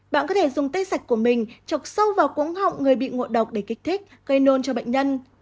bạn có thể dùng tay sạch của mình chọc sâu vào cuốn họng người bị ngộ độc để kích thích gây nôn cho bệnh nhân